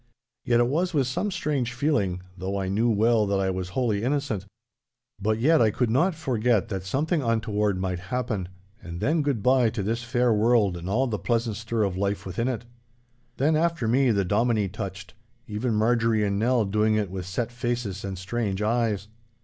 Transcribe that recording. Yet it was with some strange feeling, though I knew well that I was wholly innocent. But yet I could not forget that something untoward might happen, and then good bye to this fair world and all the pleasant stir of life within it. Then after me the Dominie touched—even Marjorie and Nell doing it with set faces and strange eyes.